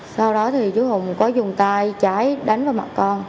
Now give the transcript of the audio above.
sau đó thì chú hùng có dùng tay trái đánh vào mặt con